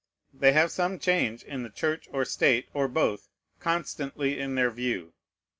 They have some change in the Church or State, or both, constantly in their view.